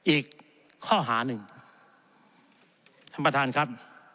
อีกข้อหาหนึ่งท่านประธานครับ